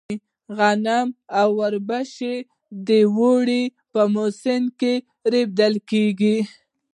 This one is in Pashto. غنم او اوربشې د اوړي په موسم کې رېبل کيږي.